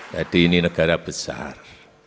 jadi ini negara besar